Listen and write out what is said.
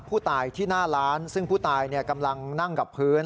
ผู้ตายที่หน้าร้านซึ่งผู้ตายกำลังนั่งกับพื้น